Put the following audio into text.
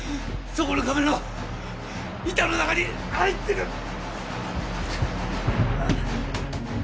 そこの壁の板の中に入ってる。